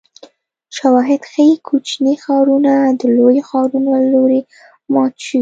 شواهد ښيي کوچني ښارونه د لویو ښارونو له لوري مات شوي